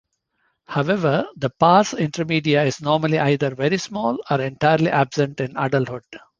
However, the pars intermedia is normally either very small or entirely absent in adulthood.